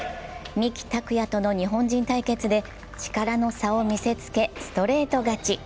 三木拓也との日本人対決で力の差を見せつけ、ストレート勝ち。